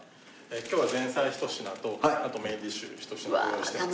今日は前菜１品とあとメインディッシュ１品をご用意しています。